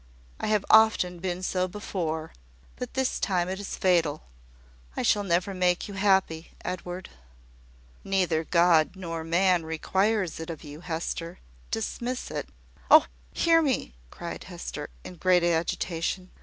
I have often been so before, but this time it is fatal. I shall never make you happy, Edward." "Neither God nor man requires it of you, Hester. Dismiss it ." "Oh, hear me!" cried Hester, in great agitation.